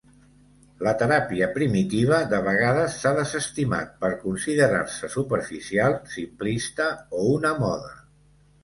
La teràpia primitiva de vegades s'ha desestimat per considerar-se superficial, simplista o una moda.